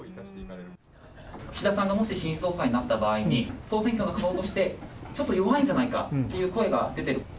岸田さんがもし新総裁になった場合に、総選挙の顔として、ちょっと弱いんじゃないかという声が出てる。